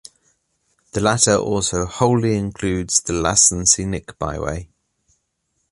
The latter also wholly includes the Lassen Scenic Byway.